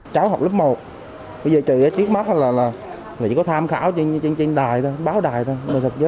cháu học lớp một bây giờ chị ấy tiếc mất là chỉ có tham khảo trên báo đài thôi